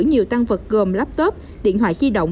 nhiều tăng vật gồm laptop điện thoại chi động